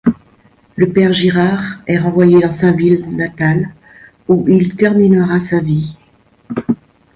Le père Girard est renvoyé dans sa ville natale, où il terminera sa vie.